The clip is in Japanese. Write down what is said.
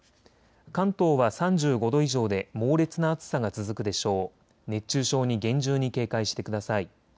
関東は３５度以上で猛烈な暑さが続くでしょう。